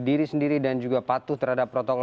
diri sendiri dan juga patuh terhadap protokol